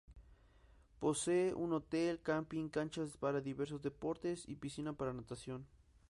Posee un hotel, camping, canchas para diversos deportes y piscina para natación.